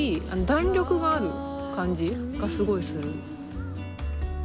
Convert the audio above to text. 弾力がある感じがすごいする。